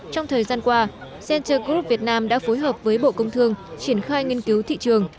trong thời gian qua center group việt nam đã phối hợp với bộ công thương triển khai nghiên cứu thị trường